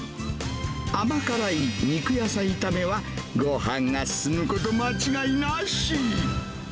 甘辛い肉野菜炒めは、ごはんが進むこと間違いなし。